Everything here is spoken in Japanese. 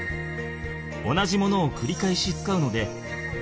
同じものをくり返し使うのでリユース。